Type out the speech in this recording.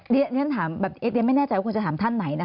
ดิฉันไม่แน่ใจว่าคุณจะถามท่านไหน